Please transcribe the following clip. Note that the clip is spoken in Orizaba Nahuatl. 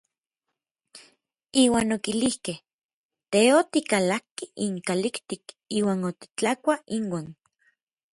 Iuan okilijkej: Tej otikalakki inkalijtik iuan otitlakuaj inuan.